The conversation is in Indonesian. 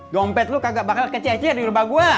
dompet lu kagak bakal kececer di rumah gue